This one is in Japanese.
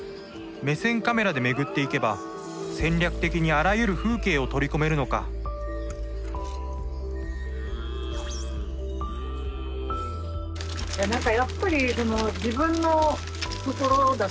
目線カメラで巡っていけば戦略的にあらゆる風景を取り込めるのかいや何かやっぱりあ